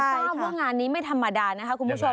ทราบว่างานนี้ไม่ธรรมดานะคะคุณผู้ชม